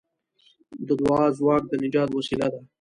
د دعا ځواک د نجات وسیله ده.